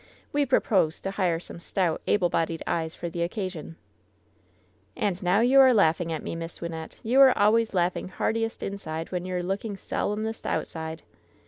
We propose to hire some stout, able bodied eyes for the occasion !" "And now you are laughing at me. Miss Wynnette ! You are always laughing heartiest inside when you're a looking solemnest outside